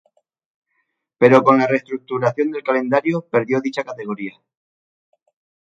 Pero con la reestructuración del calendario, perdió dicha categoría.